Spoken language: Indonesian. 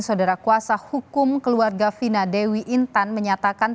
saudara kuasa hukum keluarga fina dewi intan menyatakan